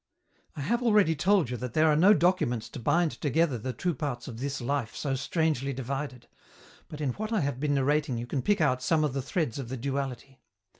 "I have already told you that there are no documents to bind together the two parts of this life so strangely divided, but in what I have been narrating you can pick out some of the threads of the duality.